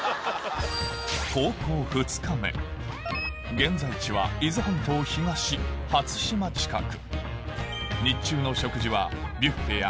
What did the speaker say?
現在地は伊豆半島東初島近く